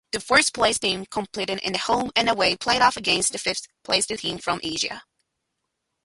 The fourth-placed team competed in a home-and-away play-off against the fifth-placed team from Asia.